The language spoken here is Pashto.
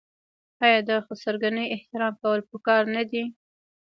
آیا د خسرګنۍ احترام کول پکار نه دي؟